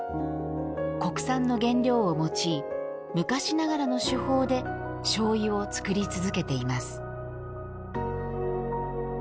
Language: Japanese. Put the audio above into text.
国産の原料を用い昔ながらの手法でしょうゆを造り続けています。